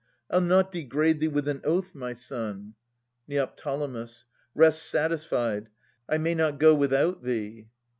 I'll not degrade thee with an oath, my son. Neo. Rest satisfied. I may not go without thee.